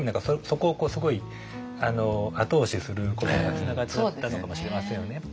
そこをすごい後押しすることにつながっちゃったのかもしれませんよね。